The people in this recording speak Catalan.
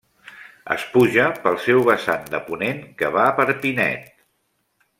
Es puja pel seu vessant de ponent que va per Pinet.